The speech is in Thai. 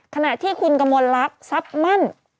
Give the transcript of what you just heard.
ขณะที่คุณกมลลักษณ์ทรัพย์มั่น